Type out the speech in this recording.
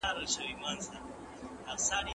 که چېرته بلل سوي نه ياست هلته ولي نه ورځئ؟